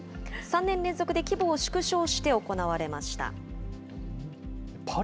３年連続で規模を縮小して行われました。